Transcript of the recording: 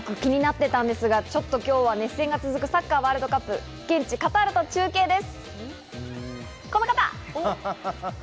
私もすごく気になっていたんですが、熱戦が続くサッカーワールドカップ、現地カタールと中継です。